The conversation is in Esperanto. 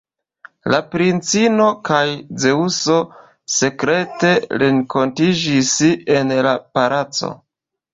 La princino kaj Zeŭso sekrete renkontiĝis en la palaco.